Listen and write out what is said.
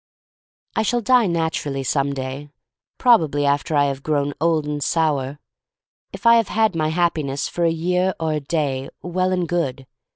I shall die naturally some day — prob ably after I have grown old and sour. If I have had my Happiness for a year or a day, well and good.